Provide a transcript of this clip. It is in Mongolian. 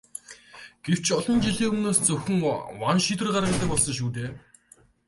Гэвч олон жилийн өмнөөс зөвхөн ван шийдвэр гаргадаг болсон шүү дээ.